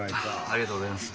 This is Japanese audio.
ありがとうございます。